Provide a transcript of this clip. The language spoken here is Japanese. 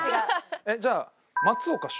えっじゃあ。